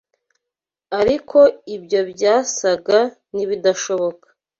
Ariko ibyo byasaga n’ibidashoboka